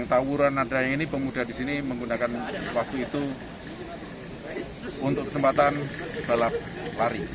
tawuran ada yang ini pemuda di sini menggunakan waktu itu untuk kesempatan balap lari